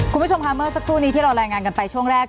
คุณผู้ชมค่ะเมื่อสักครู่นี้ที่เรารายงานกันไปช่วงแรก